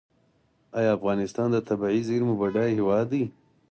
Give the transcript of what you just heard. آیا افغانستان د طبیعي زیرمو بډایه هیواد دی؟